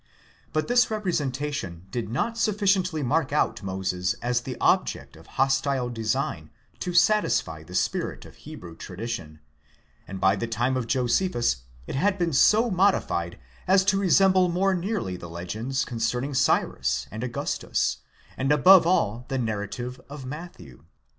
But this representation did not sufficiently mark out Moses as the object of hostile design to satisfy the spirit of Hebrew tradition, and by the time of Josephus it had been so modified as to resemble more nearly the legends concerning Cyrus and Augustus, and above all the narra tive of Matthew.